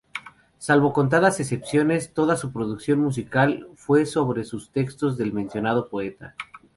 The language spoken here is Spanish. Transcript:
Salvo contadas excepciones, toda su producción musical fue sobre textos del mencionado poeta.